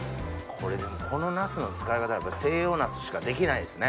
このナスの使い方西洋ナスしかできないですね。